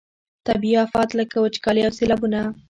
طبیعي آفات لکه وچکالي او سیلابونه.